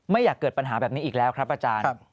อยากเกิดปัญหาแบบนี้อีกแล้วครับอาจารย์